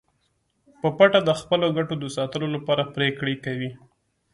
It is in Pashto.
په پټه د خپلو ګټو د ساتلو لپاره پریکړې کوي